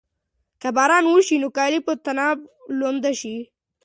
که باران وشي نو کالي به په طناب لوند شي.